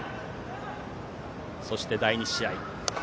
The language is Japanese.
そして第２試合。